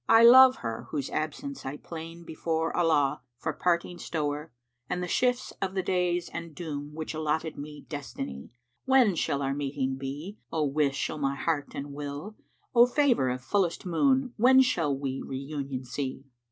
I love her whose absence I plain before Allah for parting stower * And the shifts of the days and doom which allotted me Destiny: When shall our meeting be, O wish O' my heart and will? * O favour of fullest Moon, when shall we Re union see?"